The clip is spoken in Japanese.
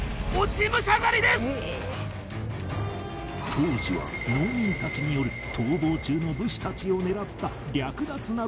当時は農民たちによる逃亡中の武士たちを狙った略奪などの危険性が